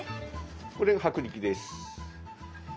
これ薄力です。